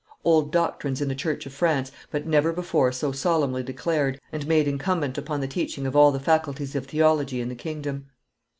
Old doctrines in the church of France, but never before so solemnly declared and made incumbent upon the teaching of all the faculties of theology in the kingdom.